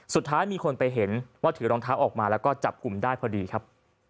สุดท้ายมีคนไปเห็นว่าถือรองเท้าออกมาแล้วก็จับกลุ่มได้พอดีครับ